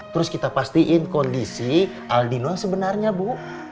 terus kita pastiin kondisi aldino sebenarnya bu